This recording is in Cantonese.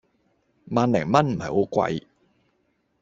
萬零蚊唔係好貴